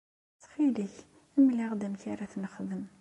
Ttxil-k mel-aɣ-d amek ara t-nexdem.